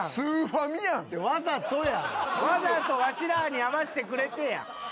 わざとわしらに合わしてくれてやん。